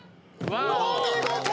お見事！